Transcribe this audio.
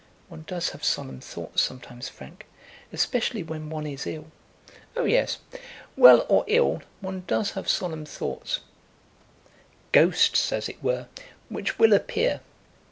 "One does have solemn thoughts sometimes, Frank, especially when one is ill." "Oh, yes. Well or ill, one does have solemn thoughts; ghosts, as it were, which will appear.